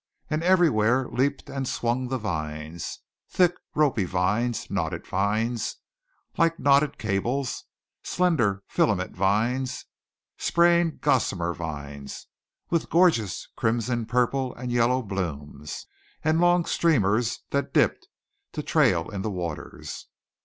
And everywhere leaped and swung the vines thick ropy vines; knotted vines, like knotted cables; slender filament vines; spraying gossamer vines, with gorgeous crimson, purple, and yellow blooms; and long streamers that dipped to trail in the waters.